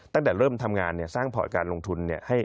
ตั้งแต่เริ่มทำงานเนี่ยสร้างพอร์ตการลงทุนเนี่ย